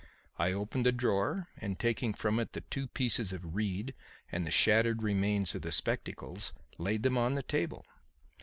I opened the drawer and taking from it the two pieces of reed and the shattered remains of the spectacles, laid them on the table.